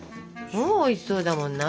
もうおいしそうだもんな。